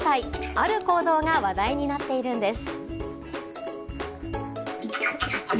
ある行動が話題になっているんです。